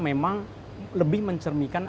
memang lebih mencermikan